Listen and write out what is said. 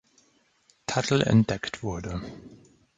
Tuttle entdeckt wurde.